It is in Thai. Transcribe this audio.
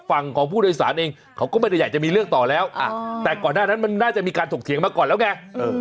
ฝั่งของผู้โดยสารเองเขาก็ไม่ได้อยากจะมีเรื่องต่อแล้วแต่ก่อนหน้านั้นมันน่าจะมีการถกเถียงมาก่อนแล้วไง